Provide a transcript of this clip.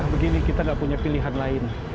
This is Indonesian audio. kalau begini kita tidak punya pilihan lain